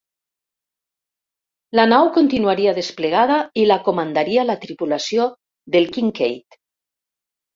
La nau continuaria desplegada i la comandaria la tripulació del "Kinkaid".